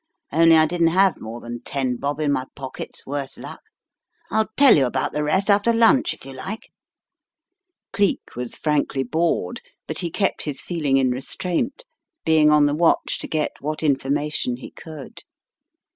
Only I didn't have more than ten bob in my pockets, worse luck. I'll tell you about the rest after lunch if you like." Cleek was frankly bored, but he kept his feeling in restraint, being on the watch to get what infor mation he could.